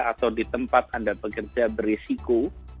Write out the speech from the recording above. atau di tempat anda bekerja berisiko